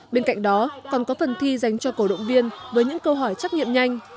bên cạnh đó còn có phần thi dành cho cổ động viên với những câu hỏi trách nhiệm nhanh